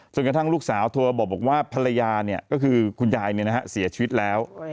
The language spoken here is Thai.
ส่วนกระทั่งลูกสาวทัวร์บอกว่าภรรยาเนี่ยก็คือคุณยายเนี่ยนะฮะเสียชีวิตแล้ว